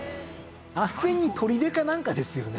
完全に砦かなんかですよね。